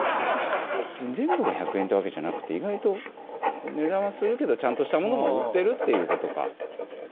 全部が１００円ってわけじゃなくて意外と値段はするけどちゃんとしたものも売ってるっていう事か。